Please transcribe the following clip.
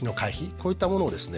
こういったものをですね